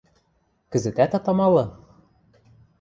— Кӹзӹтӓт ат амалы?